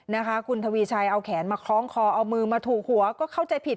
นะคะคุณทวีชัยเอาแขนมาคล้องคอเอามือมาถูกหัวก็เข้าใจผิด